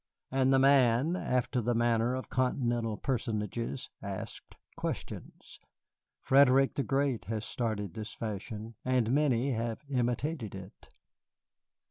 And the Man, after the manner of Continental Personages, asked questions. Frederick the Great has started this fashion, and many have imitated it.